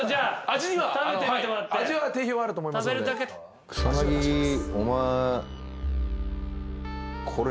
味は定評があると思いますので。